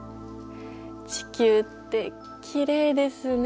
地球ってきれいですね。